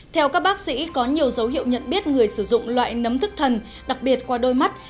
theo các bác sĩ có nhiều dấu hiệu nhận biết người sử dụng loại nấm thức thần đặc biệt qua đôi mắt